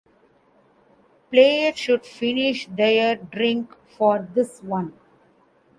Player should finish their drink for this one.